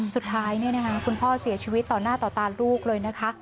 สุดท้ายคุณพ่อเสียชีวิตต่อหน้าต่อตาลูกเลยนะคะ